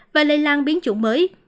và lây lan biến chủng mới